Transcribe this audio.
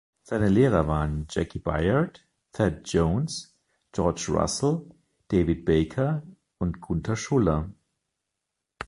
Seine Lehrer waren Jaki Byard, Thad Jones, George Russell, David Baker und Gunther Schuller.